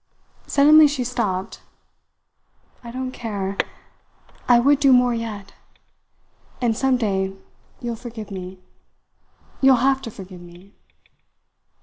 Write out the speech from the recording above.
Suddenly she stopped. "I don't care. I would do more yet! And some day you'll forgive me. You'll have to forgive me!"